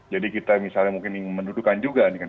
jadi kita misalnya mungkin ingin mendudukan juga nih kan